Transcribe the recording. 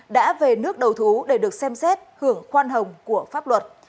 đã về nước đầu thú để được xem xét hưởng khoan hồng của pháp luật